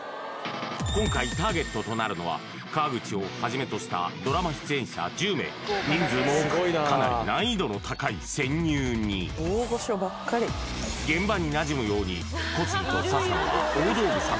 今回ターゲットとなるのは川口をはじめとしたドラマ出演者１０名人数も多くかなり現場になじむように小杉と笹野は大道具さん